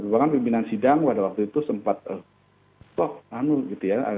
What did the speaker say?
bahkan pimpinan sidang pada waktu itu sempat toh anu gitu ya